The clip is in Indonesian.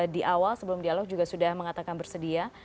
di awal sebelum dialog juga sudah mengatakan bersedia